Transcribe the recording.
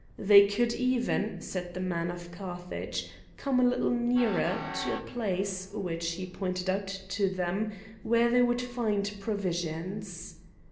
They could even, said the man of Carthage, come a little nearer, to a place, which he pointed out to them, where they would find provisions.